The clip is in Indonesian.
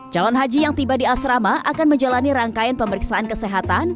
calon haji yang tiba di asrama akan menjalani rangkaian pemeriksaan kesehatan